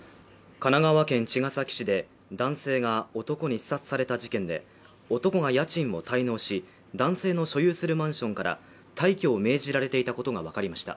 神奈川県茅ヶ崎市で男性が男に刺殺された事件で男が家賃も滞納し男性の所有するマンションから退去を命じられていたことが分かりました